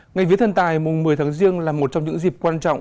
ngày vía thần tài mùng một mươi tháng riêng là một trong những dịp quan trọng